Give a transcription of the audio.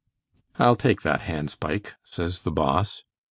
'I'll take that hand spike,' says the Boss.